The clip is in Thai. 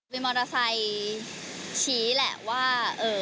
มีมอเตอร์ไซค์ชี้แหละว่า